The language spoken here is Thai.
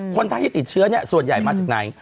คนไทยที่ติดเชื้อส่วนใหญ่มาจากไหน